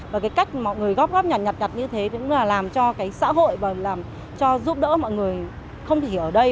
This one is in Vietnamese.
và cái cách mọi người góp góp nhằn nhặt nhặt như thế cũng là làm cho cái xã hội và làm cho giúp đỡ mọi người không chỉ ở đây